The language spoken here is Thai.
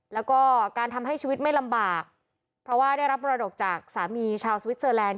แล้วก็การทำให้ชีวิตไม่ลำบากเพราะว่าได้รับมรดกจากสามีชาวสวิสเตอร์แลนด